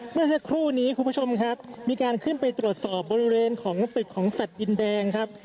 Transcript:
เมื่อสักครู่นี้คุณผู้ชมครับมีการขึ้นไปตรวจสอบบริเวณของตึกของสัตว์ดินแดงครับ